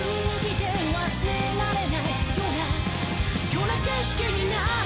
「ような景色になる」